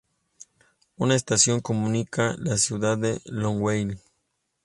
Una estación comunica la ciudad de Longueuil.